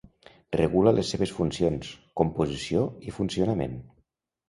Regula les seves funcions, composició i funcionament.